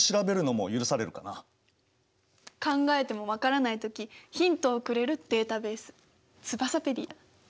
考えても分からない時ヒントをくれるデータベースツバサペディア！